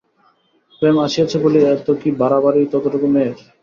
প্রেম আসিয়াছে বলিয়া এত কী বাড়াবাড়ি অতটুকু মেয়ের!